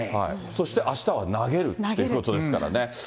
そしてあしたは投げるってことですからね。